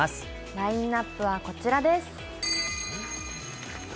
ラインナップはこちらです。